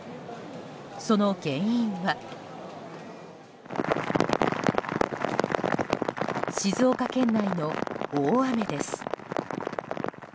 その原因は静岡県内の大雨です。